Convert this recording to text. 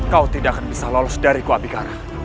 kau tidak akan bisa lolos dari kuabikara